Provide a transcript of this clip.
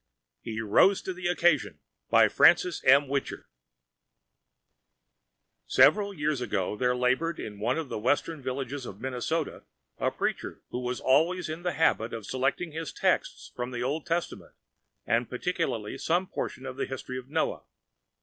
HE ROSE TO THE OCCASION Several years ago there labored in one of the Western villages of Minnesota a preacher who was always in the habit of selecting his texts from the Old Testament, and particularly some portion of the history of Noah.